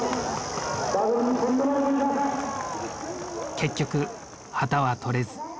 結局旗は取れず。